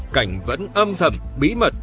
cảnh vẫn âm thầm bí mật